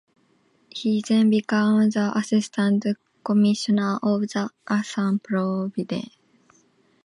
He then became the Assistant Commissioner of the Assam Province.